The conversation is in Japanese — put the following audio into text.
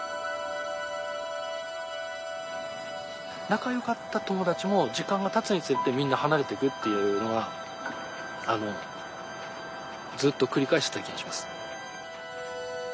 仲よかった友達も時間がたつにつれてみんな離れていくっていうのはずっと繰り返してた気がします。